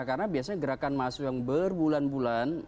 karena biasanya gerakan masif yang berbulan bulan